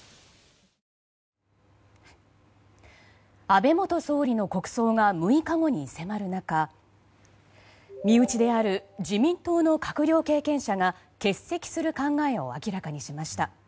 安倍元総理の国葬が６日後に迫る中身内である自民党の閣僚経験者が欠席する考えを明らかにしました。